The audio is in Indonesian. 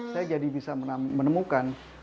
saya jadi bisa menemukan